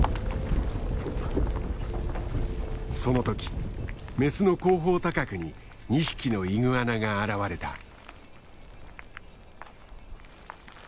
その時メスの後方高くに２匹のイグアナが現れた。